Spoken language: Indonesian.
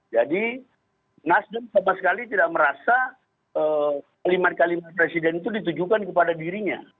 nasdem sama sekali tidak merasa kalimat kalimat presiden itu ditujukan kepada dirinya